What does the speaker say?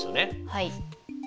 はい。